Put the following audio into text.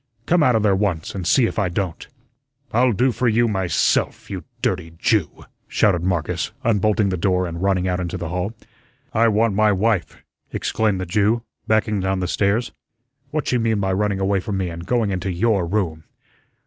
Come outa there once, an' see if I don't." "I'll do for you myself, you dirty Jew," shouted Marcus, unbolting the door and running out into the hall. "I want my wife," exclaimed the Jew, backing down the stairs. "What's she mean by running away from me and going into your room?"